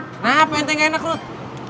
kenapa ente gak enak rud